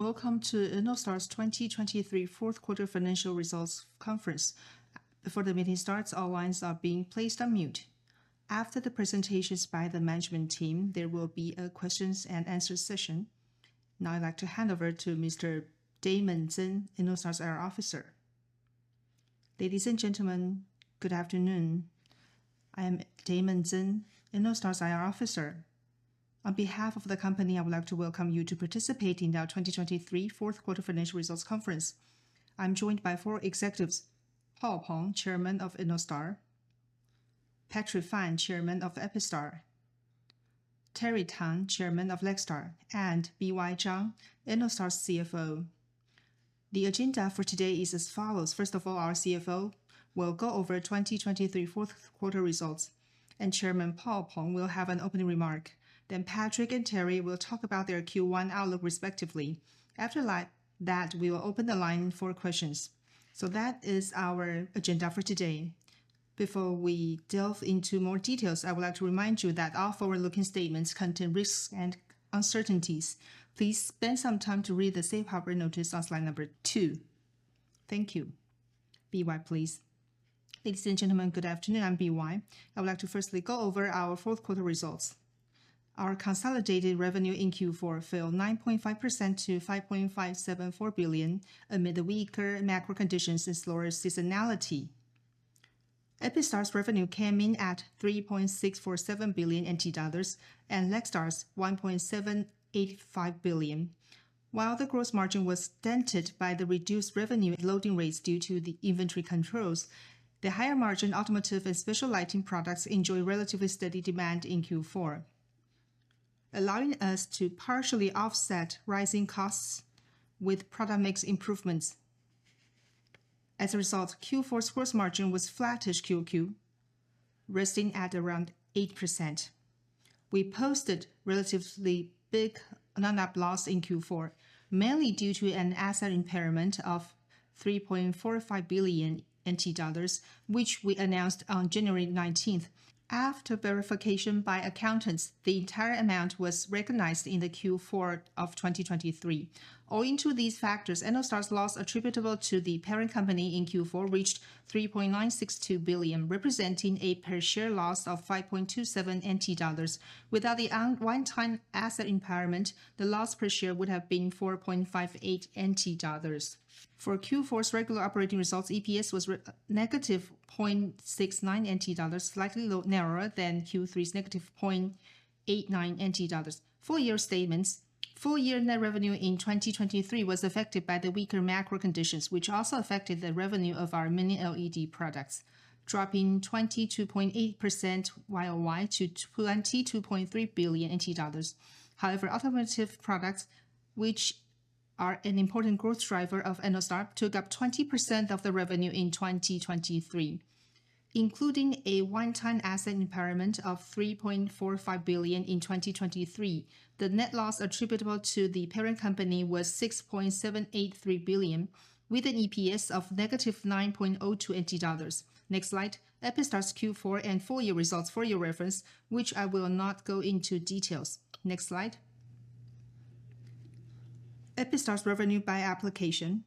Welcome to Ennostar's 2023 Q4 financial results conference. Before the meeting starts, all lines are being placed on mute. After the presentations by the management team, there will be a questions and answer session. Now, I'd like to hand over to Mr. Damon Tzeng, Ennostar's IR officer. Ladies and gentlemen, good afternoon. I am Damon Tzeng, Ennostar's IR officer. On behalf of the company, I would like to welcome you to participate in our 2023 Q4 financial results conference. I'm joined by four executives: Paul Peng, Chairman of Ennostar; Patrick Fan, Chairman of Epistar; Terry Tang, Chairman of Lextar; and B.Y. Chang, Ennostar's CFO. The agenda for today is as follows. First of all, our CFO will go over 2023 Q4 results, and Chairman Paul Peng will have an opening remark. Then Patrick and Terry will talk about their Q1 outlook respectively. After that, we will open the line for questions. So that is our agenda for today. Before we delve into more details, I would like to remind you that all forward-looking statements contain risks and uncertainties. Please spend some time to read the safe harbor notice on Slide 2. Thank you. B.Y., please. Ladies and gentlemen, good afternoon. I'm B.Y. I would like to firstly go over our Q4 results. Our consolidated revenue in Q4 fell 9.5% to 5.574 billion, amid the weaker macro conditions and slower seasonality. Epistar's revenue came in at 3.647 billion NT dollars and Lextar's TWD 1.785 billion. While the gross margin was dented by the reduced revenue and loading rates due to the inventory controls, the higher margin automotive and special lighting products enjoyed relatively steady demand in Q4, allowing us to partially offset rising costs with product mix improvements. As a result, Q4's gross margin was flattish QOQ, resting at around 8%. We posted relatively big non-GAAP loss in Q4, mainly due to an asset impairment of 3.45 billion NT dollars, which we announced on January nineteenth. After verification by accountants, the entire amount was recognized in the Q4 of 2023. Owing to these factors, Ennostar's loss attributable to the parent company in Q4 reached 3.962 billion, representing a per-share loss of 5.27 NT dollars. Without the one-time asset impairment, the loss per share would have been 4.58 NT dollars. For Q4's regular operating results, EPS was negative 0.69 NT dollars, slightly low, narrower than Q3's negative 0.89 NT dollars. Full-year statements. Full-year net revenue in 2023 was affected by the weaker macro conditions, which also affected the revenue of our Mini LED products, dropping 22.8% YOY to 22.3 billion dollars. However, automotive products, which are an important growth driver of Ennostar, took up 20% of the revenue in 2023. Including a one-time asset impairment of 3.45 billion in 2023, the net loss attributable to the parent company was 6.783 billion, with an EPS of negative 9.02 dollars. Next slide. Epistar's Q4 and full-year results for your reference, which I will not go into details. Next slide. Epistar's revenue by application.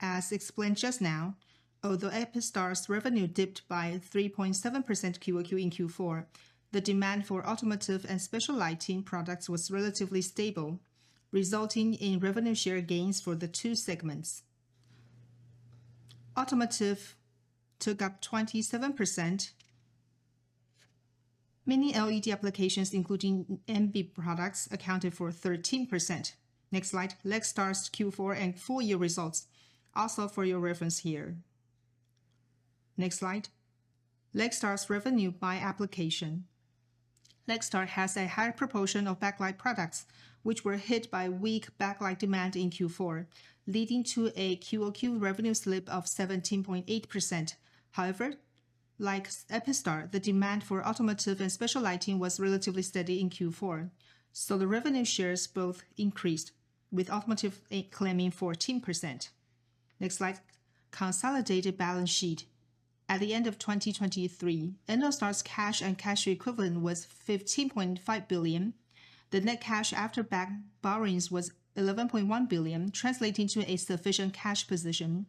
As explained just now, although Epistar's revenue dipped by 3.7% QOQ in Q4, the demand for automotive and special lighting products was relatively stable, resulting in revenue share gains for the two segments. Automotive took up 27%. Mini LED applications, including NB products, accounted for 13%. Next slide, Lextar's Q4 and full year results, also for your reference here. Next slide. Lextar's revenue by application. Lextar has a higher proportion of backlight products, which were hit by weak backlight demand in Q4, leading to a QOQ revenue slip of 17.8%. However, like Epistar, the demand for automotive and special lighting was relatively steady in Q4, so the revenue shares both increased, with automotive claiming 14%. Next slide, consolidated balance sheet. At the end of 2023, Ennostar's cash and cash equivalent was 15.5 billion. The net cash after bank borrowings was 11.1 billion, translating to a sufficient cash position.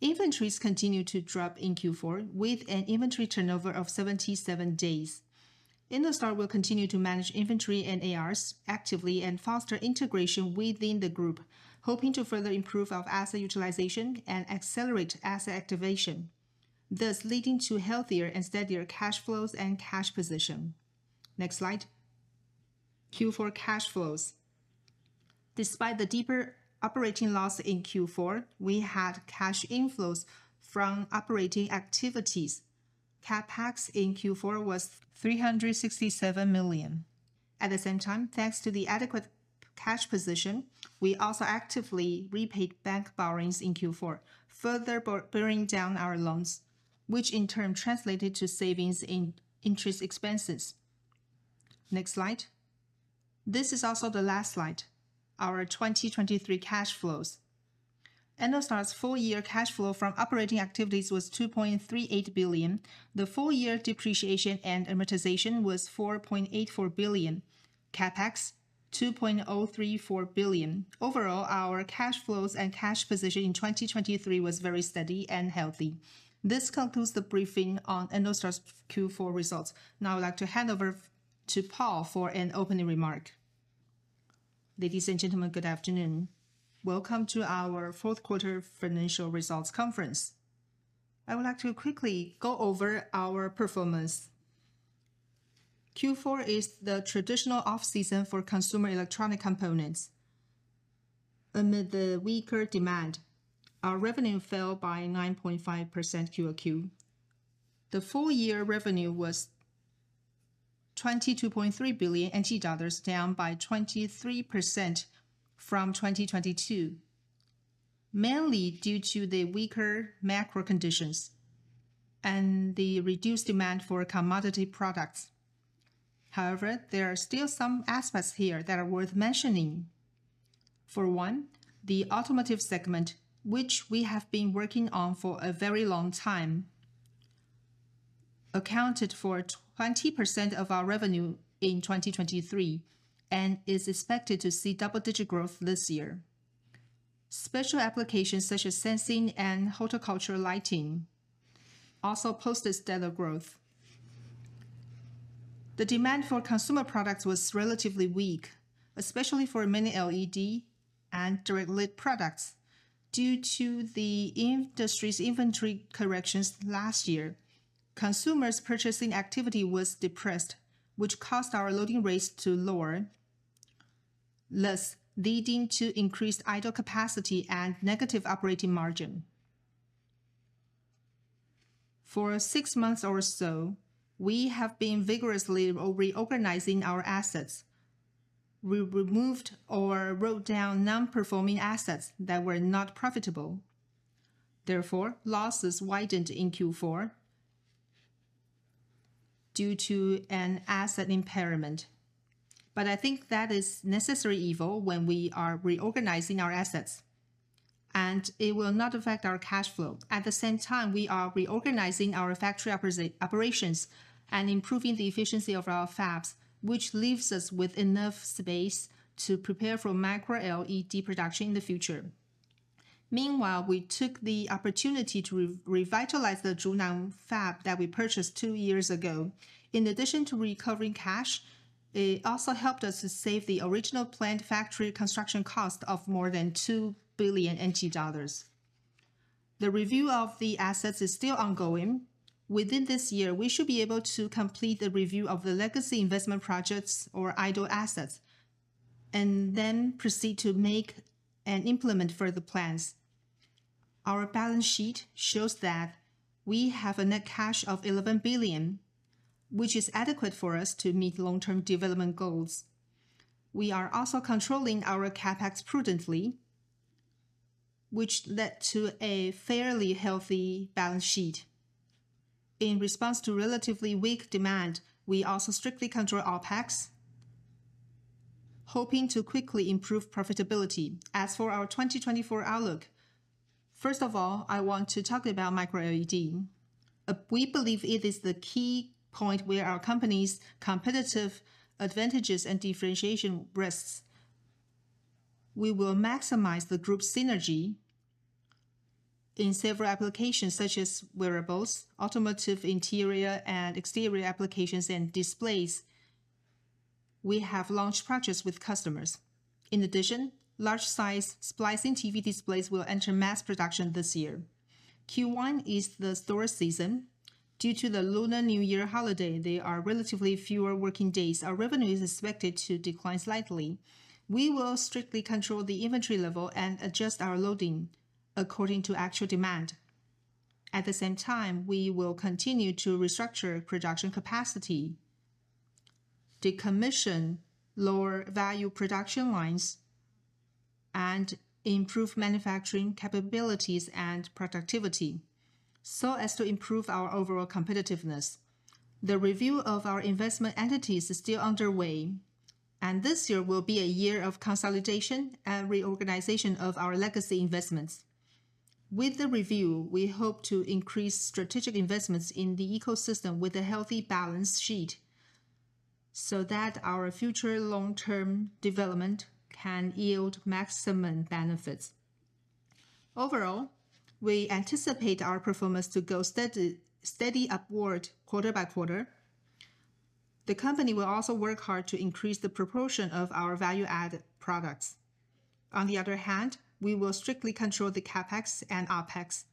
Inventories continued to drop in Q4, with an inventory turnover of 77 days. Ennostar will continue to manage inventory and ARs actively and foster integration within the group, hoping to further improve our asset utilization and accelerate asset activation, thus leading to healthier and steadier cash flows and cash position. Next slide, Q4 cash flows. Despite the deeper operating loss in Q4, we had cash inflows from operating activities. CapEx in Q4 was 367 million. At the same time, thanks to the adequate cash position, we also actively repaid bank borrowings in Q4, further bringing down our loans, which in turn translated to savings in interest expenses. Next slide. This is also the last slide, our 2023 cash flows.... Ennostar's full year cash flow from operating activities was 2.38 billion. The full year depreciation and amortization was 4.84 billion, CapEx 2.034 billion. Overall, our cash flows and cash position in 2023 was very steady and healthy. This concludes the briefing on Ennostar's Q4 results. Now I'd like to hand over to Paul for an opening remark. Ladies and gentlemen, good afternoon. Welcome to our Q4 financial results conference. I would like to quickly go over our performance. Q4 is the traditional off-season for consumer electronic components. Amid the weaker demand, our revenue fell by 9.5% QOQ. The full year revenue was 22.3 billion NT dollars, down by 23% from 2022, mainly due to the weaker macro conditions and the reduced demand for commodity products. However, there are still some aspects here that are worth mentioning. For one, the automotive segment, which we have been working on for a very long time, accounted for 20% of our revenue in 2023 and is expected to see double-digit growth this year. Special applications such as sensing and horticultural lighting also posted steady growth. The demand for consumer products was relatively weak, especially for Mini LED and direct-lit products. Due to the industry's inventory corrections last year, consumers' purchasing activity was depressed, which caused our loading rates to lower, thus leading to increased idle capacity and negative operating margin. For six months or so, we have been vigorously reorganizing our assets. We removed or wrote down non-performing assets that were not profitable. Therefore, losses widened in Q4 due to an asset impairment. But I think that is necessary evil when we are reorganizing our assets, and it will not affect our cash flow. At the same time, we are reorganizing our factory operations and improving the efficiency of our fabs, which leaves us with enough space to prepare for Micro LED production in the future. Meanwhile, we took the opportunity to revitalize the Zhunan fab that we purchased two years ago. In addition to recovering cash, it also helped us to save the original planned factory construction cost of more than 2 billion NT dollars. The review of the assets is still ongoing. Within this year, we should be able to complete the review of the legacy investment projects or idle assets, and then proceed to make and implement further plans. Our balance sheet shows that we have a net cash of 11 billion, which is adequate for us to meet long-term development goals. We are also controlling our CapEx prudently, which led to a fairly healthy balance sheet. In response to relatively weak demand, we also strictly control our OpEx, hoping to quickly improve profitability. As for our 2024 outlook, first of all, I want to talk about Micro LED. We believe it is the key point where our company's competitive advantages and differentiation rests. We will maximize the group synergy in several applications, such as wearables, automotive, interior and exterior applications, and displays. We have launched projects with customers. In addition, large size splicing TV displays will enter mass production this year. Q1 is the slow season. Due to the Lunar New Year holiday, there are relatively fewer working days. Our revenue is expected to decline slightly. We will strictly control the inventory level and adjust our loading according to actual demand. At the same time, we will continue to restructure production capacity, decommission lower value production lines, and improve manufacturing capabilities and productivity so as to improve our overall competitiveness. The review of our investment entities is still underway, and this year will be a year of consolidation and reorganization of our legacy investments. With the review, we hope to increase strategic investments in the ecosystem with a healthy balance sheet, so that our future long-term development can yield maximum benefits. Overall, we anticipate our performance to go steady, steady upward quarter by quarter. The company will also work hard to increase the proportion of our value-added products. On the other hand, we will strictly control the CapEx and OpEx,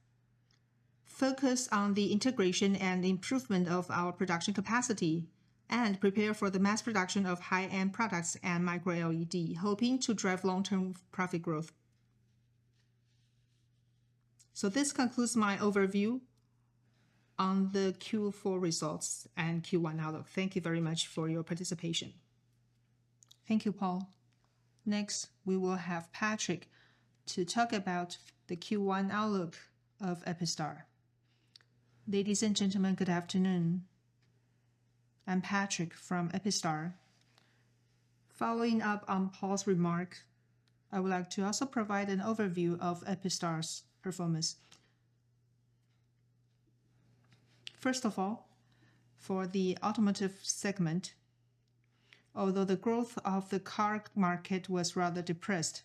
focus on the integration and improvement of our production capacity, and prepare for the mass production of high-end products and Micro LED, hoping to drive long-term profit growth. So this concludes my overview on the Q4 results and Q1 outlook. Thank you very much for your participation. Thank you, Paul. Next, we will have Patrick to talk about the Q1 outlook of Epistar. Ladies and gentlemen, good afternoon.... I'm Patrick from Epistar. Following up on Paul's remark, I would like to also provide an overview of Epistar's performance. First of all, for the automotive segment, although the growth of the car market was rather depressed,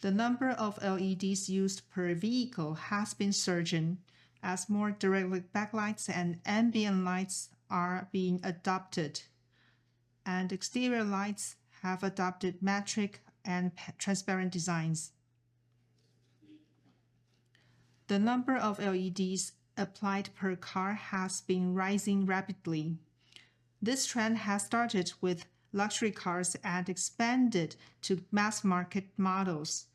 the number of LEDs used per vehicle has been surging as more direct backlights and ambient lights are being adopted, and exterior lights have adopted Matrix and transparent designs. The number of LEDs applied per car has been rising rapidly. This trend has started with luxury cars and expanded to mass market models,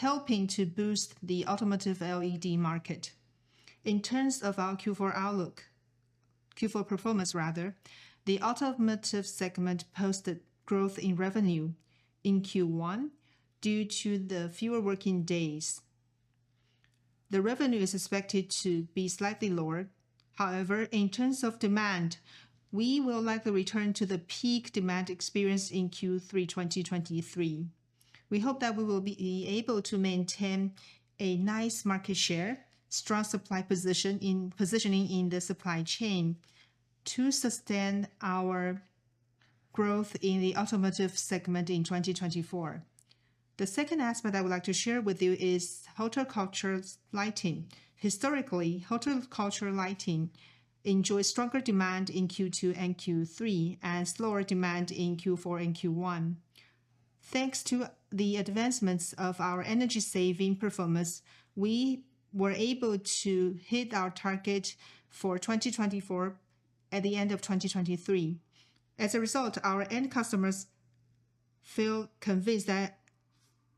helping to boost the automotive LED market. In terms of our Q4 outlook, Q4 performance rather, the automotive segment posted growth in revenue. In Q1, due to the fewer working days, the revenue is expected to be slightly lower. However, in terms of demand, we will likely return to the peak demand experienced in Q3 2023. We hope that we will be able to maintain a nice market share, strong supply position, positioning in the supply chain, to sustain our growth in the automotive segment in 2024. The second aspect I would like to share with you is horticulture lighting. Historically, horticulture lighting enjoys stronger demand in Q2 and Q3, and slower demand in Q4 and Q1. Thanks to the advancements of our energy-saving performance, we were able to hit our target for 2024 at the end of 2023. As a result, our end customers feel convinced that,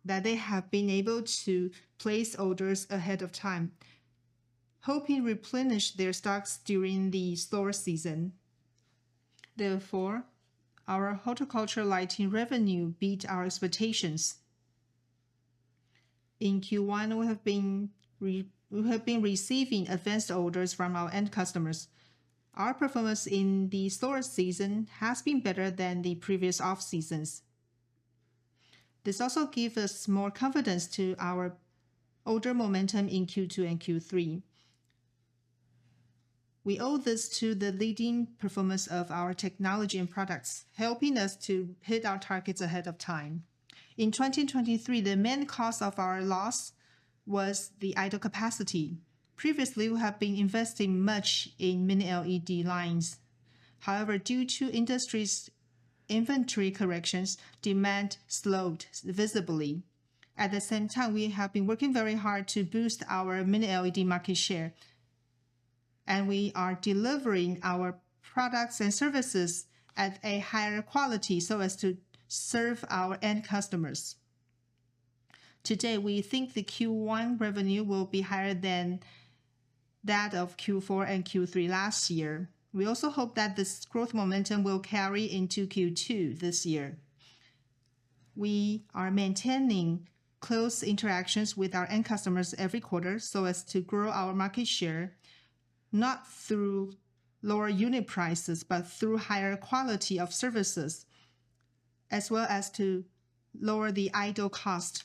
that they have been able to place orders ahead of time, hoping replenish their stocks during the slower season. Therefore, our horticulture lighting revenue beat our expectations. In Q1, we have been receiving advanced orders from our end customers. Our performance in the slower season has been better than the previous off-seasons. This also give us more confidence to our order momentum in Q2 and Q3. We owe this to the leading performance of our technology and products, helping us to hit our targets ahead of time. In 2023, the main cause of our loss was the idle capacity. Previously, we have been investing much in Mini LED lines. However, due to industry's inventory corrections, demand slowed visibly. At the same time, we have been working very hard to boost our Mini LED market share, and we are delivering our products and services at a higher quality so as to serve our end customers. Today, we think the Q1 revenue will be higher than that of Q4 and Q3 last year. We also hope that this growth momentum will carry into Q2 this year. We are maintaining close interactions with our end customers every quarter, so as to grow our market share, not through lower unit prices, but through higher quality of services, as well as to lower the idle cost.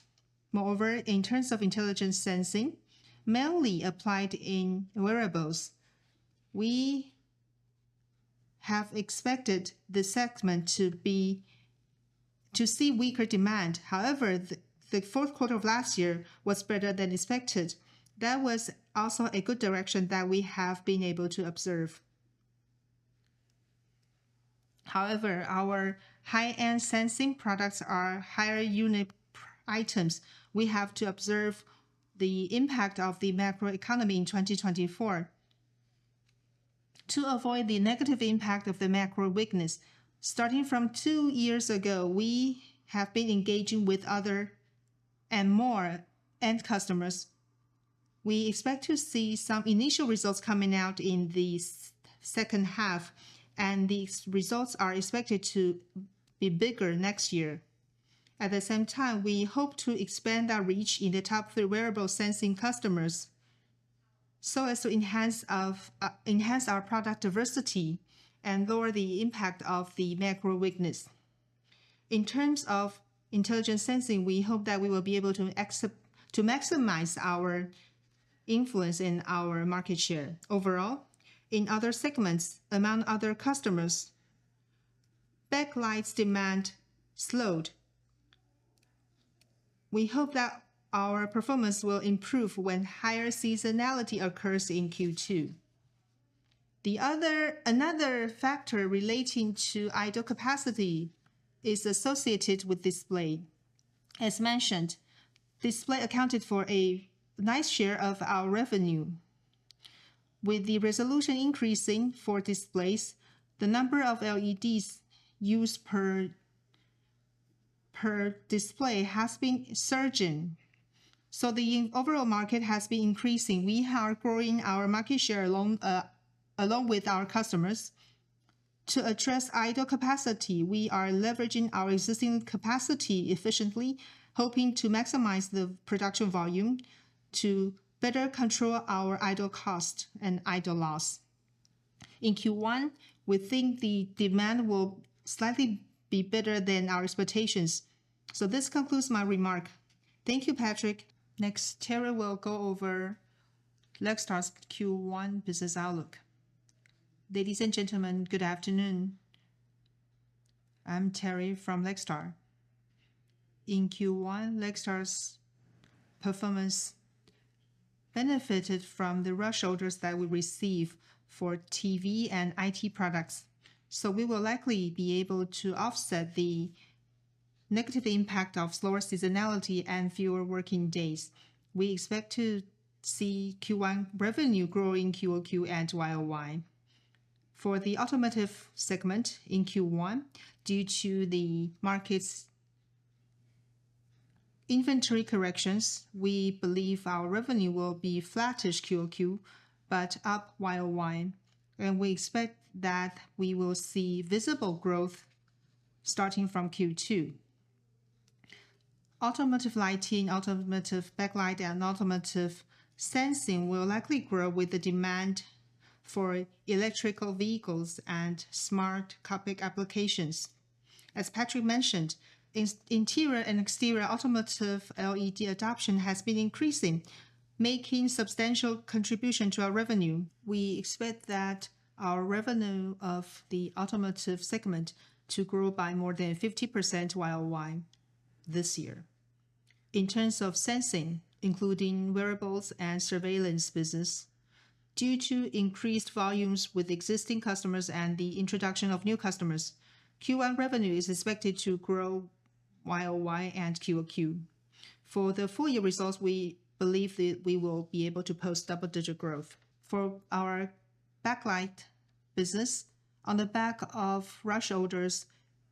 Moreover, in terms of intelligent sensing, mainly applied in wearables, we have expected the segment to be to see weaker demand. However, the Q4 of last year was better than expected. That was also a good direction that we have been able to observe. However, our high-end sensing products are higher unit items. We have to observe the impact of the macroeconomy in 2024. To avoid the negative impact of the macro weakness, starting from two years ago, we have been engaging with other and more end customers. We expect to see some initial results coming out in the second half, and these results are expected to be bigger next year. At the same time, we hope to expand our reach in the top three wearable sensing customers, so as to enhance our product diversity and lower the impact of the macro weakness. In terms of intelligent sensing, we hope that we will be able to maximize our influence in our market share. Overall, in other segments, among other customers, backlight demand slowed. We hope that our performance will improve when higher seasonality occurs in Q2. Another factor relating to idle capacity is associated with display. As mentioned, display accounted for a nice share of our revenue. With the resolution increasing for displays, the number of LEDs used per display has been surging, so the overall market has been increasing. We are growing our market share along with our customers. To address idle capacity, we are leveraging our existing capacity efficiently, hoping to maximize the production volume to better control our idle cost and idle loss. In Q1, we think the demand will slightly be better than our expectations. So this concludes my remark. Thank you, Patrick. Next, Terry will go over Lextar's Q1 business outlook. Ladies and gentlemen, good afternoon. I'm Terry from Lextar. In Q1, Lextar's performance benefited from the rush orders that we receive for TV and IT products. So we will likely be able to offset the negative impact of slower seasonality and fewer working days. We expect to see Q1 revenue grow in QOQ and YOY. For the automotive segment in Q1, due to the market's inventory corrections, we believe our revenue will be flattish QOQ, but up YOY, and we expect that we will see visible growth starting from Q2. Automotive lighting, automotive backlight, and automotive sensing will likely grow with the demand for electric vehicles and smart cockpit applications. As Patrick mentioned, in interior and exterior automotive, LED adoption has been increasing, making substantial contribution to our revenue. We expect that our revenue of the automotive segment to grow by more than 50% YOY this year. In terms of sensing, including wearables and surveillance business, due to increased volumes with existing customers and the introduction of new customers, Q1 revenue is expected to grow YOY and QOQ. For the full year results, we believe that we will be able to post double-digit growth. For our backlight business, on the back of rush orders,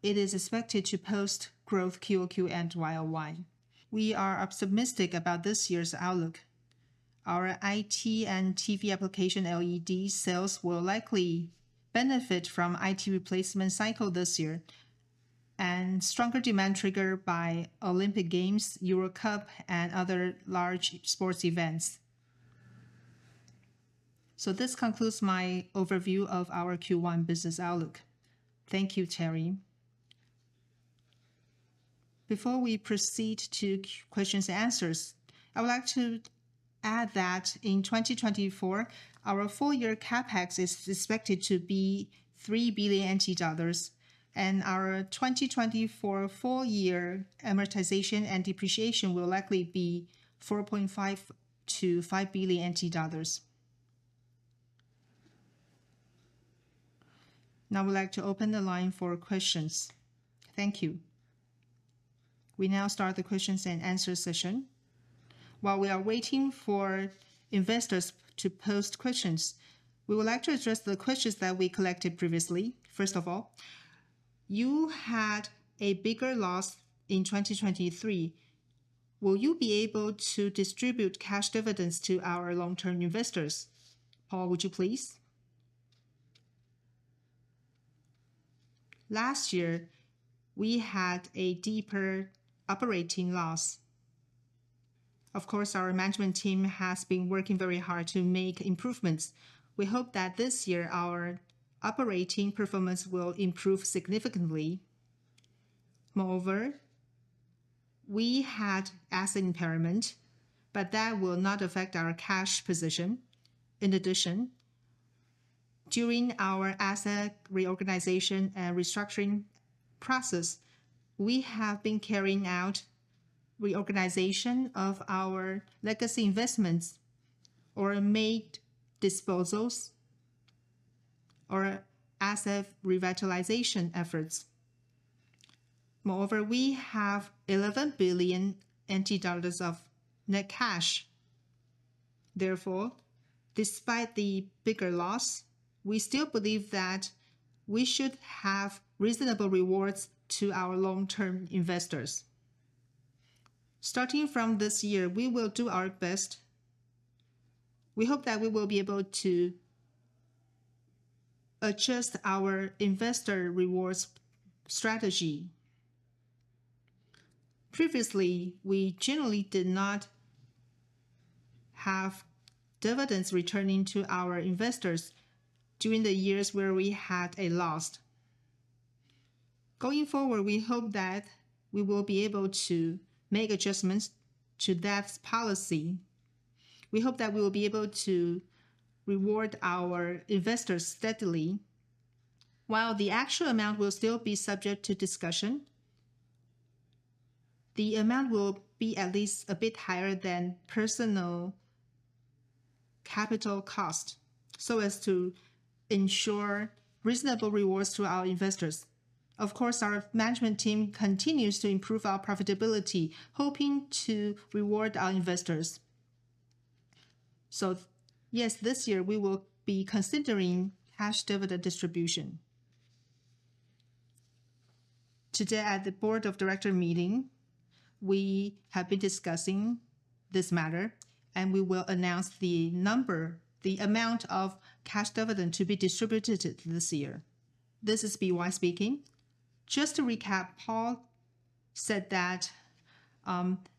it is expected to post growth QOQ and YOY. We are optimistic about this year's outlook. Our IT and TV application LED sales will likely benefit from IT replacement cycle this year, and stronger demand triggered by Olympic Games, Euro Cup, and other large sports events. So this concludes my overview of our Q1 business outlook. Thank you, Terry. Before we proceed to questions and answers, I would like to add that in 2024, our full year CapEx is expected to be 3 billion NT dollars, and our 2024 full year amortization and depreciation will likely be 4.5 billion-5 billion NT dollars. Now I would like to open the line for questions. Thank you. We now start the questions and answer session. While we are waiting for investors to post questions, we would like to address the questions that we collected previously. First of all, you had a bigger loss in 2023. Will you be able to distribute cash dividends to our long-term investors? Paul, would you, please? Last year, we had a deeper operating loss. Of course, our management team has been working very hard to make improvements. We hope that this year, our operating performance will improve significantly. Moreover, we had asset impairment, but that will not affect our cash position. In addition, during our asset reorganization and restructuring process, we have been carrying out reorganization of our legacy investments or made disposals or asset revitalization efforts. Moreover, we have 11 billion NT dollars of net cash. Therefore, despite the bigger loss, we still believe that we should have reasonable rewards to our long-term investors. Starting from this year, we will do our best. We hope that we will be able to adjust our investor rewards strategy. Previously, we generally did not have dividends returning to our investors during the years where we had a loss. Going forward, we hope that we will be able to make adjustments to that policy. We hope that we will be able to reward our investors steadily, while the actual amount will still be subject to discussion. The amount will be at least a bit higher than personal capital cost, so as to ensure reasonable rewards to our investors. Of course, our management team continues to improve our profitability, hoping to reward our investors. So yes, this year we will be considering cash dividend distribution. Today at the board of director meeting, we have been discussing this matter, and we will announce the number, the amount of cash dividend to be distributed this year. This is B.Y. speaking. Just to recap, Paul said that,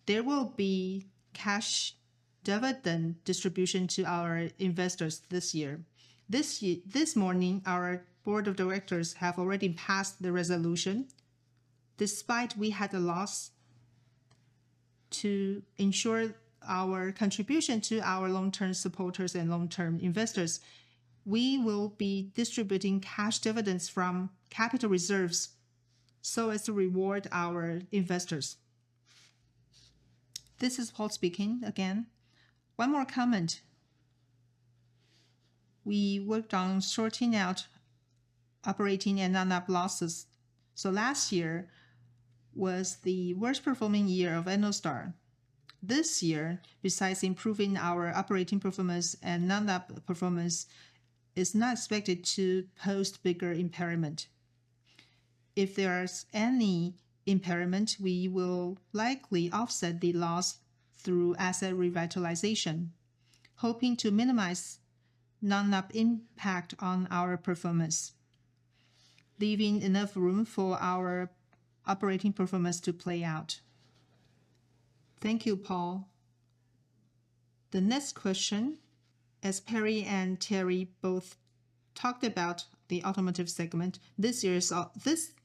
there will be cash dividend distribution to our investors this year. This morning, our board of directors have already passed the resolution. Despite we had a loss, to ensure our contribution to our long-term supporters and long-term investors, we will be distributing cash dividends from capital reserves so as to reward our investors. This is Paul speaking again. One more comment. We worked on sorting out operating and non-GAAP losses. Last year was the worst performing year of Ennostar. This year, besides improving our operating performance and non-GAAP performance, is not expected to post bigger impairment. If there is any impairment, we will likely offset the loss through asset revitalization, hoping to minimize non-GAAP impact on our performance, leaving enough room for our operating performance to play out. Thank you, Paul. The next question, as Paul and Terry both talked about the automotive segment, this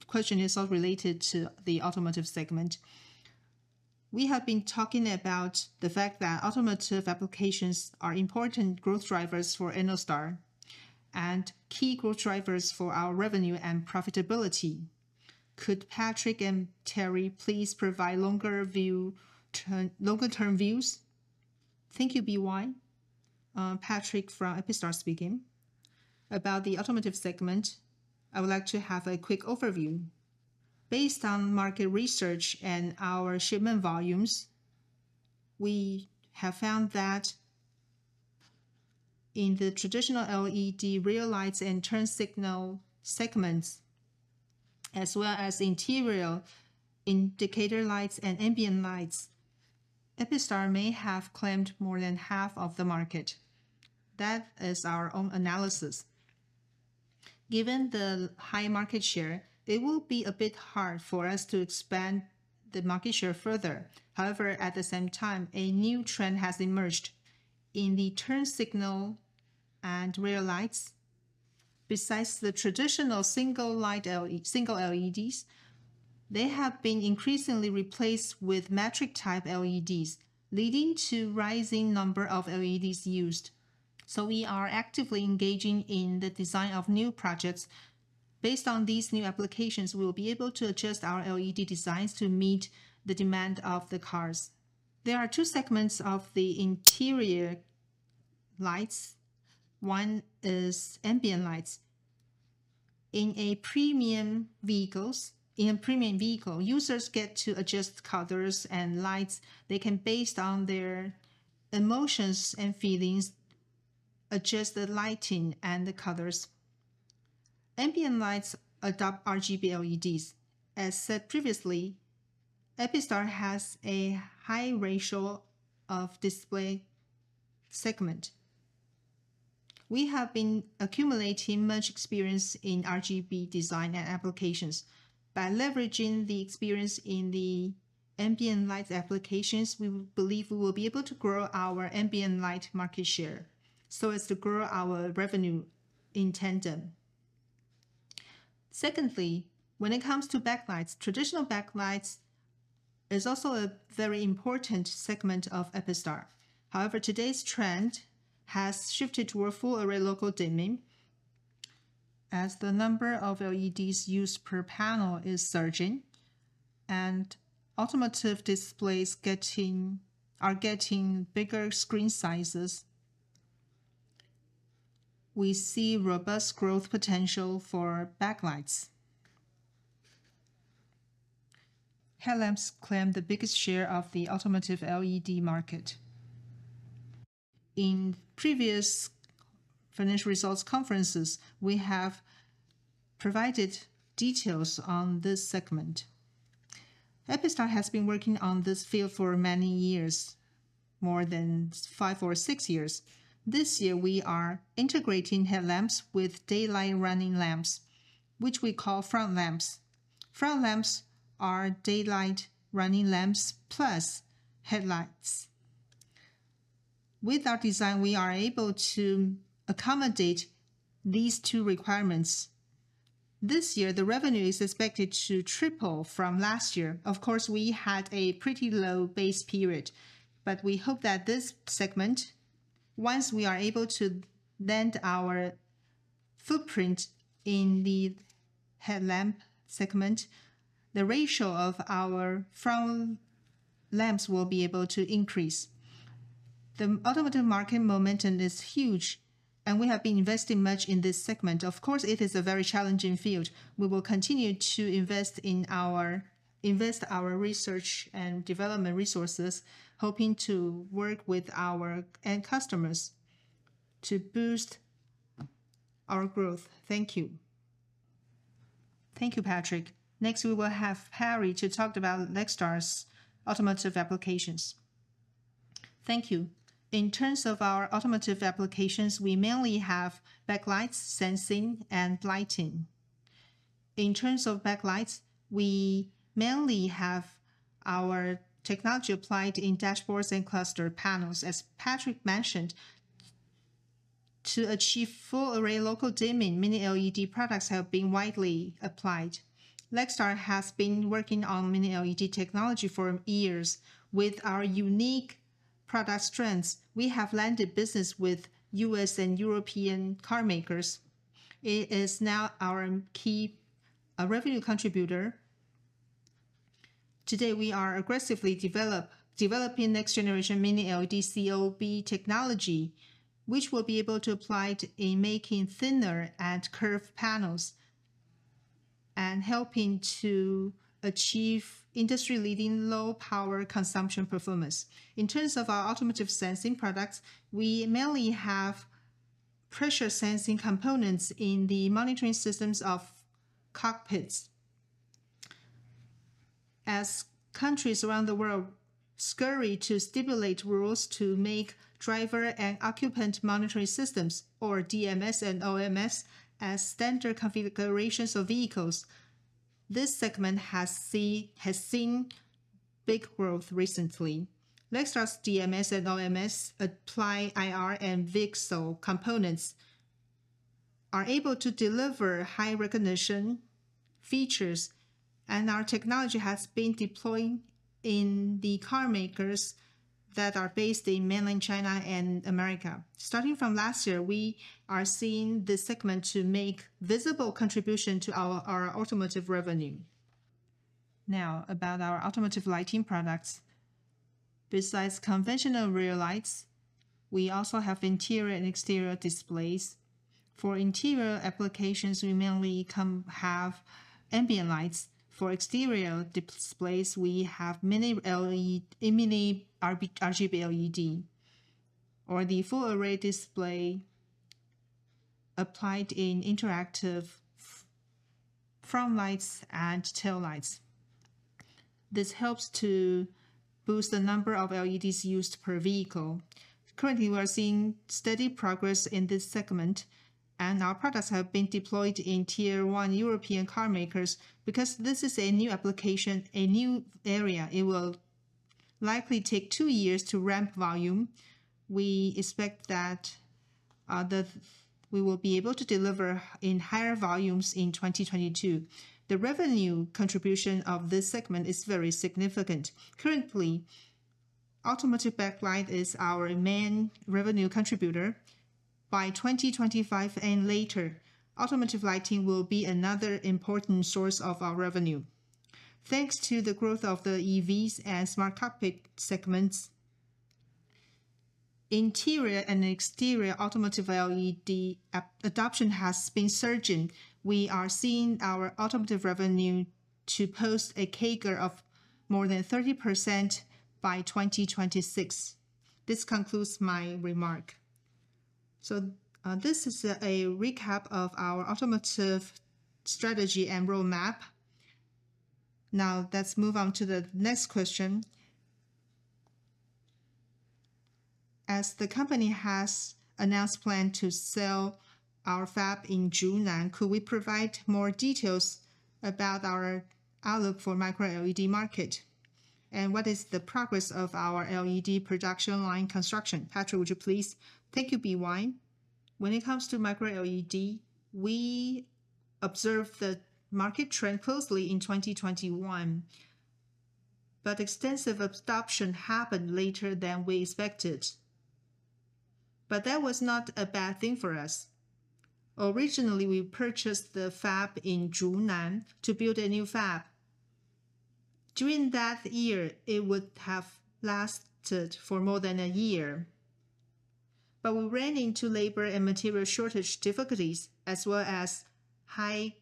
question is all related to the automotive segment. We have been talking about the fact that automotive applications are important growth drivers for Ennostar and key growth drivers for our revenue and profitability. Could Patrick and Terry please provide longer-term views? Thank you, B.Y. Patrick from Epistar speaking. About the automotive segment, I would like to have a quick overview. Based on market research and our shipment volumes, we have found that in the traditional LED rear lights and turn signal segments, as well as interior indicator lights and ambient lights, Epistar may have claimed more than half of the market. That is our own analysis. Given the high market share, it will be a bit hard for us to expand the market share further. However, at the same time, a new trend has emerged in the turn signal and rear lights. Besides the traditional single light LED, single LEDs, they have been increasingly replaced with Matrix-type LEDs, leading to rising number of LEDs used. So we are actively engaging in the design of new projects. Based on these new applications, we will be able to adjust our LED designs to meet the demand of the cars. There are two segments of the interior lights. One is ambient lights. In a premium vehicles, in a premium vehicle, users get to adjust colors and lights. They can, based on their emotions and feelings, adjust the lighting and the colors. Ambient lights adopt RGB LEDs. As said previously, Epistar has a high ratio of display segment. We have been accumulating much experience in RGB design and applications. By leveraging the experience in the ambient light applications, we believe we will be able to grow our ambient light market share, so as to grow our revenue in tandem. Secondly, when it comes to backlights, traditional backlights is also a very important segment of Epistar. However, today's trend has shifted toward full array local dimming, as the number of LEDs used per panel is surging and automotive displays are getting bigger screen sizes. We see robust growth potential for backlights. Headlamps claim the biggest share of the automotive LED market. In previous financial results conferences, we have provided details on this segment. Epistar has been working on this field for many years, more than five or six years. This year, we are integrating headlamps with daytime running lamps, which we call front lamps. Front lamps are daytime running lamps plus headlights. With our design, we are able to accommodate these two requirements. This year, the revenue is expected to triple from last year. Of course, we had a pretty low base period, but we hope that this segment, once we are able to land our footprint in the headlamp segment, the ratio of our front lamps will be able to increase. The automotive market momentum is huge, and we have been investing much in this segment. Of course, it is a very challenging field. We will continue to invest in our research and development resources, hoping to work with our end customers to boost our growth. Thank you. Thank you, Patrick. Next, we will have Terry to talk about Lextar's automotive applications. Thank you. In terms of our automotive applications, we mainly have backlights, sensing, and lighting. In terms of backlights, we mainly have our technology applied in dashboards and cluster panels. As Patrick mentioned, to achieve full array local dimming, Mini LED products have been widely applied. Lextar has been working on Mini LED technology for years. With our unique product strengths, we have landed business with U.S. and European car makers. It is now our key revenue contributor. Today, we are aggressively developing next generation Mini LED COB technology, which will be able to applied in making thinner and curved panels, and helping to achieve industry-leading low power consumption performance. In terms of our automotive sensing products, we mainly have pressure sensing components in the monitoring systems of cockpits. As countries around the world scurry to stipulate rules to make driver and occupant monitoring systems, or DMS and OMS, as standard configurations of vehicles, this segment has seen big growth recently. Lextar's DMS and OMS apply IR and VCSEL components, are able to deliver high recognition features, and our technology has been deployed in the car makers that are based in mainland China and America. Starting from last year, we are seeing this segment to make visible contribution to our automotive revenue. Now, about our automotive lighting products. Besides conventional rear lights, we also have interior and exterior displays. For interior applications, we mainly have ambient lights. For exterior displays, we have Mini LED, Mini RGB LED, or the full array display applied in interactive front lights and tail lights. This helps to boost the number of LEDs used per vehicle. Currently, we are seeing steady progress in this segment, and our products have been deployed in Tier One European car makers. Because this is a new application, a new area, it will likely take two years to ramp volume. We expect that we will be able to deliver in higher volumes in 2022. The revenue contribution of this segment is very significant. Currently, automotive backlight is our main revenue contributor. By 2025 and later, automotive lighting will be another important source of our revenue. Thanks to the growth of the EVs and smart cockpit segments, interior and exterior automotive LED adoption has been surging. We are seeing our automotive revenue to post a CAGR of more than 30% by 2026. This concludes my remark. So, this is a recap of our automotive strategy and roadmap. Now, let's move on to the next question. As the company has announced plan to sell our fab in Zhunan, could we provide more details about our outlook for Micro LED market? And what is the progress of our LED production line construction? Patrick, would you please? Thank you, B.Y. When it comes to Micro LED, we observed the market trend closely in 2021, but extensive adoption happened later than we expected. But that was not a bad thing for us. Originally, we purchased the fab in Zhunan to build a new fab. During that year, it would have lasted for more than a year, but we ran into labor and material shortage difficulties, as well as high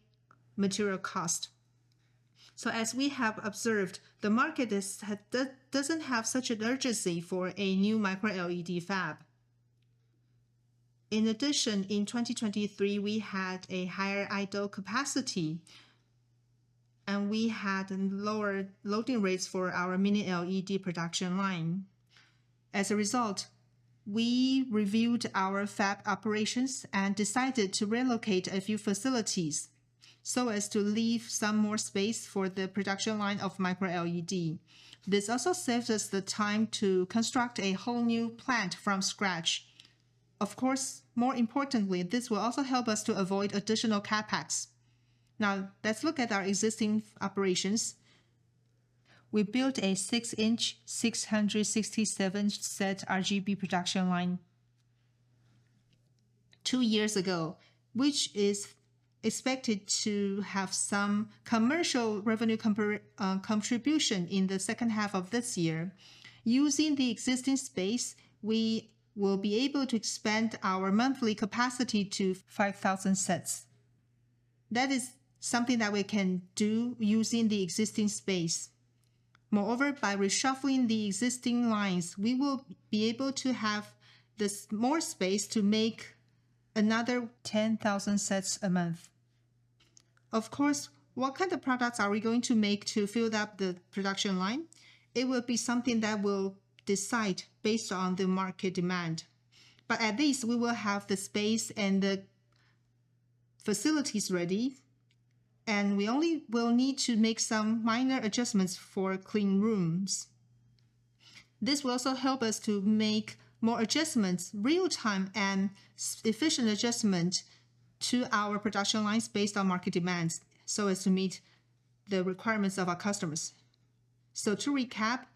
material cost. So as we have observed, the market doesn't have such an urgency for a new Micro LED fab. In addition, in 2023, we had a higher idle capacity, and we had lower loading rates for our Mini LED production line. As a result, we reviewed our fab operations and decided to relocate a few facilities so as to leave some more space for the production line of Micro LED. This also saves us the time to construct a whole new plant from scratch. Of course, more importantly, this will also help us to avoid additional CapEx. Now, let's look at our existing operations. We built a six-inch, 667-set RGB production line two years ago, which is expected to have some commercial revenue contribution in the second half of this year. Using the existing space, we will be able to expand our monthly capacity to 5,000 sets. That is something that we can do using the existing space. Moreover, by reshuffling the existing lines, we will be able to have this more space to make another 10,000 sets a month. Of course, what kind of products are we going to make to fill up the production line? It will be something that we'll decide based on the market demand. But at least we will have the space and the facilities ready, and we only will need to make some minor adjustments for clean rooms. This will also help us to make more adjustments, real-time and more efficient adjustments to our production lines based on market demands, so as to meet the requirements of our customers. To recap,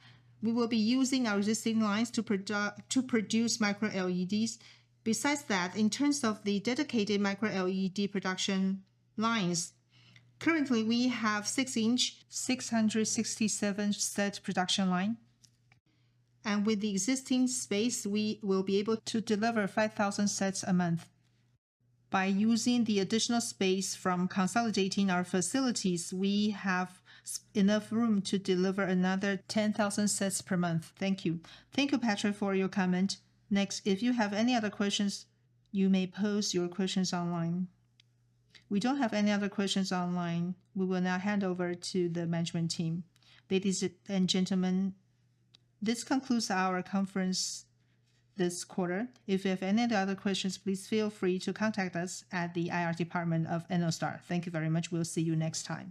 we will be using our existing lines to produce Micro LEDs. Besides that, in terms of the dedicated Micro LED production lines, currently, we have 6-inch, 667-set production line, and with the existing space, we will be able to deliver 5,000 sets a month. By using the additional space from consolidating our facilities, we have enough room to deliver another 10,000 sets per month. Thank you. Thank you, Patrick, for your comment. Next, if you have any other questions, you may pose your questions online. We don't have any other questions online. We will now hand over to the management team. Ladies and gentlemen, this concludes our conference this quarter. If you have any other questions, please feel free to contact us at the IR department of Ennostar. Thank you very much. We'll see you next time.